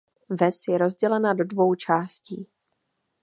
Ves je rozdělena do dvou částí.